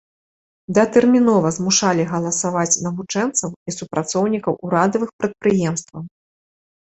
Датэрмінова змушалі галасаваць навучэнцаў і супрацоўнікаў урадавых прадпрыемстваў.